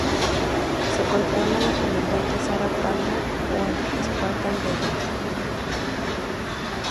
Se controla a la Comandante Sarah Palmer o al Spartan Davis.